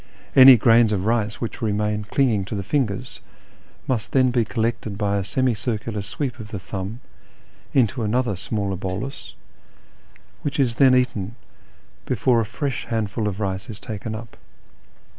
Any grains of rice which remain clinging to the fingers must then be collected by a semi circular sweep of the thumb into another smaller bolus, which is eaten before a fresh handful of rice is taken up.